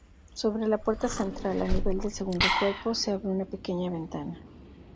Sobre la puerta central, a nivel del segundo cuerpo, se abre una pequeña ventana.